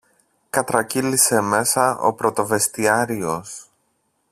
κατρακύλησε μέσα ο πρωτοβεστιάριος.